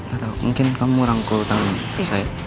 gak tau mungkin kamu rangkul tangan saya